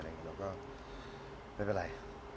แล้วก็เป็นอะไร